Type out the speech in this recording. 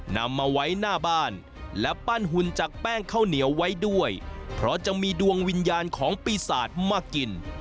นำมาไว้หน้าบ้านและปั้นหุ่นจากแป้งข้าวเหนียวไว้ด้วยเพราะจะมีดวงวิญญาณของปีศาจมากิน